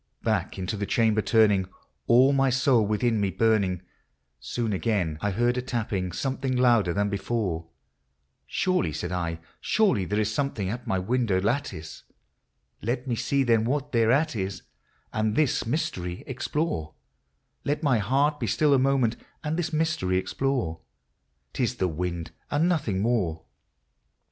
Back into the chamber turning, all my soul within me burning, Soon again T heard a tapping, something louder than before :" Surely," said I, " surely that is something at my window lattice ; Let me see then what thereat is, and this mystery explore, — Let my heart be still a moment, and this mystery explore ;— 'T is the wind, and nothing more."